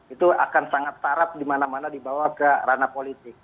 itu akan sangat tarap dimana mana dibawa ke ranah politik